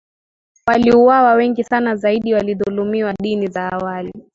waliuawa Wengi sana zaidi walidhulumiwa Dini za awali